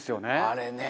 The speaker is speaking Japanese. あれね。